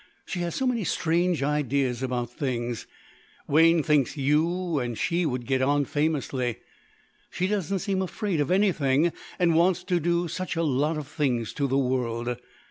She has so many strange ideas about things. Wayne thinks you and she would get on famously. She doesn't seem afraid of anything and wants to do such a lot of things to the world.